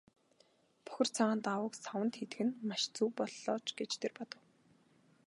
Бохир цагаан даавууг саванд хийдэг нь маш зөв боллоо ч гэж тэр бодов.